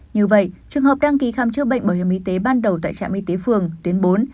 như vậy trường hợp đăng ký khám chữa bệnh bảo hiểm y tế ban đầu tại trạm y tế phường tuyến bốn